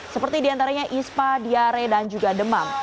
seperti di antaranya ispa diare dan juga demam